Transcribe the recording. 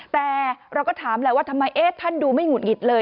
แต่เราก็ถามแหละว่าทำไมท่านดูไม่หุดหงิดเลย